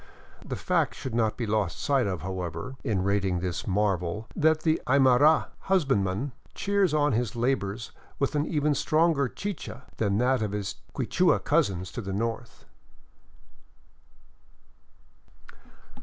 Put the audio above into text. The fact should not be lost sight of, however, in rating this marvel that the Aymara hus bandman cheers on his labors with an even stronger chicha than that of his Quichua cousins to the north.